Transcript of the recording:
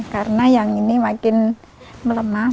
karena yang ini makin melemah